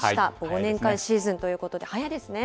忘年会シーズンということで、早いですね。